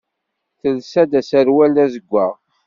Telsa-d aserwal d azeggaɣ.